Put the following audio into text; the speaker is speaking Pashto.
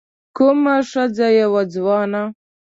کومه ښځه يې وه ځوانه